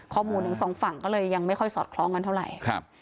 ข้อมูลทั้งสองฝั่งก็เลยยังไม่ค่อยสอดคล้องกันเท่าไหร่